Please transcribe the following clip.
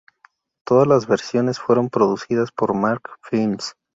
Todas las versiones fueron producidas por Mark Films.